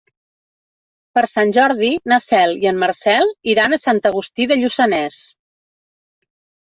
Per Sant Jordi na Cel i en Marcel iran a Sant Agustí de Lluçanès.